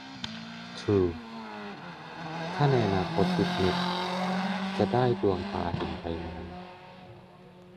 ทรู - ถ้าในอนาคตติดเน็ตจะได้ดวงตาเห็นใบไม้